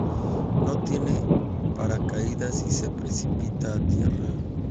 No tiene paracaídas y se precipita a tierra.